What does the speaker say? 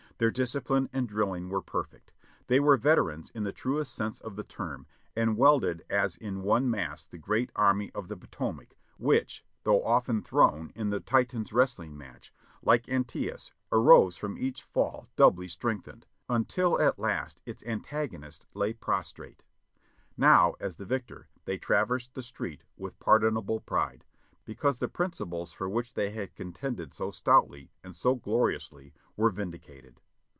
Their discipline and drilling were perfect. They were veterans in the truest sense of the term, and welded as in one mass the Grand Army of the Potomac, which, though often thrown in the Titan's wrest ling match, like Anteus, arose from each fall doubly strengthened, until at last its antagonist lay prostrate. Now as the victor they traversed the street with pardonable pride, because the principles for which they had contended so stoutly and so gloriously were vindicated.